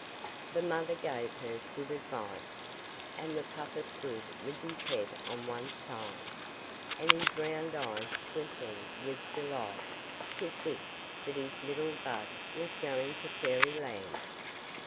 The mother gave her good advice, and the papa stood with his head on one side, and his round eyes twinkling with delight, to think that his little Bud was going to Fairy Land.